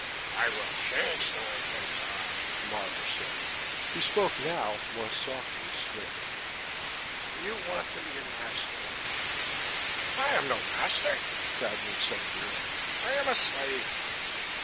"I will change the way things are," Marvor said. He spoke now more softly still. "Do you want to be a master?" "I am no master," Cadnan said wearily. "I am a slave."